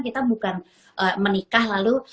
kita bukan menikah lalu